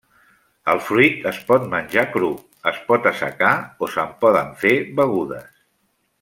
El fruit es pot menjar cru, es pot assecar o se'n poden fer begudes.